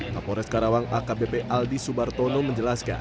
kapolres karawang akbp aldi subartono menjelaskan